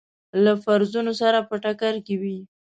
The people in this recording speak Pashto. له فرضونو سره په ټکر کې وي.